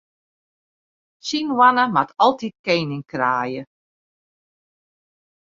Syn hoanne moat altyd kening kraaie.